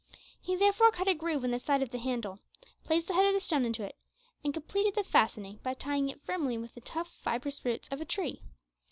He therefore cut a groove in the side of the handle, placed the head of the stone into it, and completed the fastening by tying it firmly with the tough fibrous roots of a tree.